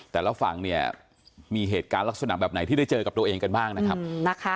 แต่ละฝั่งเนี่ยมีเหตุการณ์ลักษณะแบบไหนที่ได้เจอกับตัวเองกันบ้างนะครับ